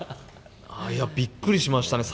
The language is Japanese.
びっくりしましたね。